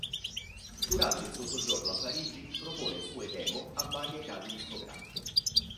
Durante il suo soggiorno a Parigi, propone sue demo a varie case discografiche.